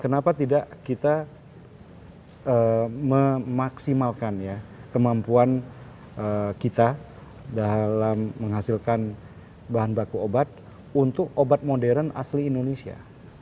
kenapa tidak kita memaksimalkan ya kemampuan kita dalam menghasilkan bahan baku obat untuk obat modern asli indonesia